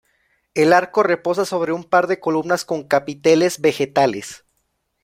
El arco reposa sobre un par de columnas con capiteles vegetales.